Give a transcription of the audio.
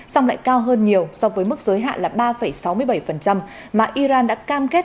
song lại cao hơn nhiều so với mức giới hạn là ba sáu mươi bảy mà iran đã cam kết